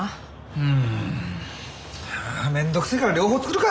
うんめんどくせえから両方作るか！